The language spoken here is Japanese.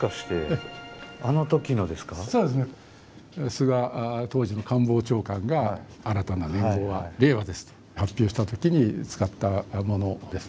菅当時の官房長官が「新たな元号は令和です」と発表した時に使ったものです。